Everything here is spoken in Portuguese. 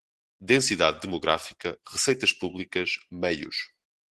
densidade demográfica, receitas públicas, meios